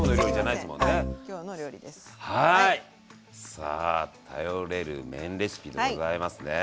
さあ頼れる麺レシピでございますね。